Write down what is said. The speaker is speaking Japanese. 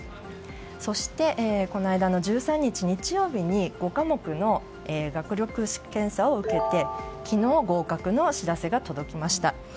そして、この間の１３日日曜日に５科目の学力検査を受けて昨日、合格の知らせが届きました。